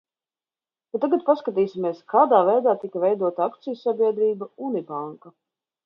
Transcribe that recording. "Bet tagad paskatīsimies, kādā veidā tika veidota akciju sabiedrība "Unibanka"."